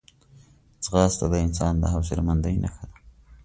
ځغاسته د انسان د حوصلهمندۍ نښه ده